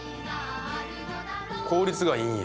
効率がいいんや。